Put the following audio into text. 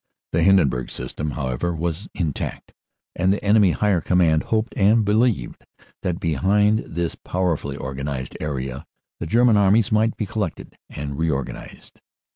"The Hindenburg System, however, was intact, and the enemy Higher Command hoped and believed that behind this powerfully organized area the German Armies might be col lected and reorganized.